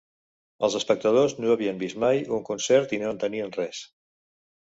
Els espectadors no havien vist mai un concert i no entenien res.